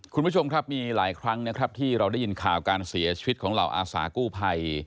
คุณผู้ชมครับมีหลายครั้งนะครับที่เราได้ยินข่าวการเสียชีวิตของเหล่าอาสากู้ภัย